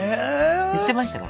言ってましたから。